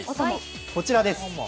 こちらです。